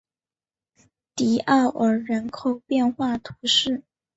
迪奥尔人口变化图示